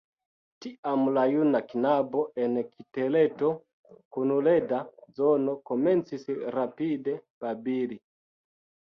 Tiam la juna knabo en kiteleto kun leda zono komencis rapide babili.